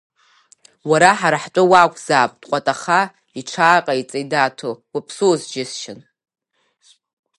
Уара ҳара ҳтәы уакәзаап, дҟәатаха иҽааҟаиҵеит Даҭо, уаԥсуаз џьысшьан…